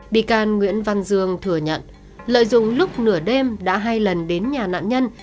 bị can nguyễn văn dương thừa nhận lợi dụng lúc nửa đêm đã hai lần đến nhà nạn nhân